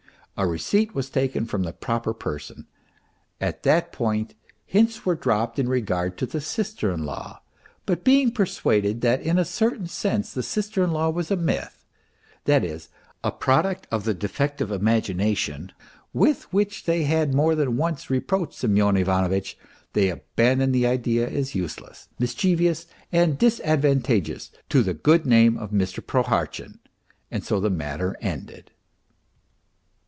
A receipt was taken from the proper person. At that point hints were dropped in regard to the sister in law ; but being persuaded that in a certain sense the sister in law was a myth, that is, a product of the defective imagination with which they had more than once reproached Semyon Ivanovitch they abandoned the idea as useless, mischievous and disadvantageous to the good name of Mr. Prohartchin, and so the matter ended.